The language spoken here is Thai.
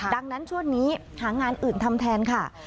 ดังนั้นช่วงนี้หางานอื่นทำแทนค่ะ